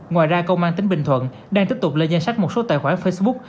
ngoài ra công an tỉnh bình thuận đang tiếp tục lên danh sách một số tài khoản facebook